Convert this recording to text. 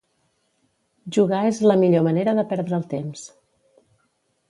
Jugar és la millor manera de perdre el temps